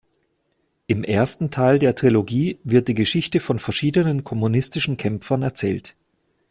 Im ersten Teil der Trilogie wird die Geschichte von verschiedenen kommunistischen Kämpfern erzählt.